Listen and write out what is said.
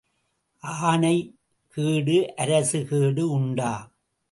ஆனை கேடு, அரசு கேடு உண்டா?